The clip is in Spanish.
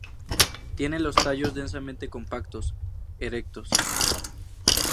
Tiene los tallos densamente compactos, erectos.